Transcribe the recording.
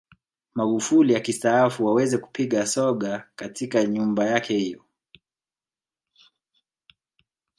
Magufuli akistaafu waweze kupiga soga katika nyumba yake hiyo